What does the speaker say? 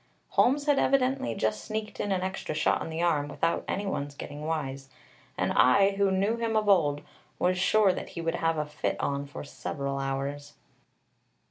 Holmes had evidently just sneaked in an extra shot in the arm without any one's getting wise, and I, who knew him of old, was sure that he would have a fit on for several hours.